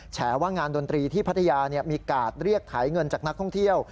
แฉว่างานดนตรีที่พัทยามีการเรียกถ่ายเงินจากนักท่องเที่ยว